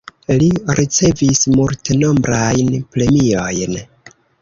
Li ricevis multenombrajn premiojn.